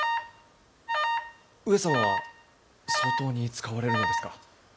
上様は相当に使われるのですか？